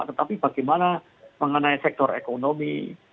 tetapi bagaimana mengenai sektor ekonomi